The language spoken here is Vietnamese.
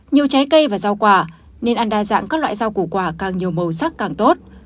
nhiều trái cây và rau quả nên ăn đa dạng các loại rau củ quả càng nhiều màu sắc càng tốt